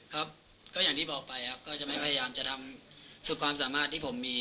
ครับก็อย่างที่บอกไปครับก็จะไม่พยายามจะทำสุดความสามารถที่ผมมี